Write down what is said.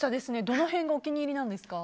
どの辺がお気に入りなんですか？